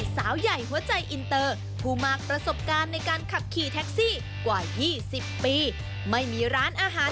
สวัสดีค่ะสวัสดีค่ะ